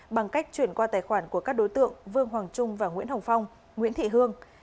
bằng cách chuyển qua tài khoản của các đối tượng vương hoàng trung và nguyễn hồng phong nguyễn thị hương